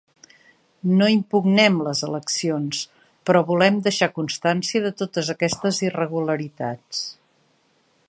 No impugnem les eleccions, però volem deixar constància de totes aquestes irregularitats.